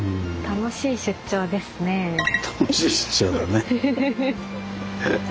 楽しい出張だね。